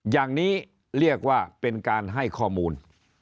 อย่างนี้เรียกว่าเป็นการให้ข้อมูล